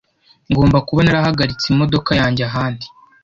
Ngomba kuba narahagaritse imodoka yanjye ahandi